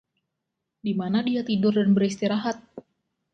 Dimana dia tidur dan beristirahat?